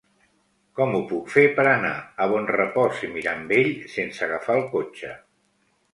Com ho puc fer per anar a Bonrepòs i Mirambell sense agafar el cotxe?